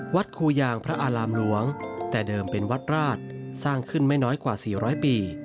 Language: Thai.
ครูยางพระอารามหลวงแต่เดิมเป็นวัดราชสร้างขึ้นไม่น้อยกว่า๔๐๐ปี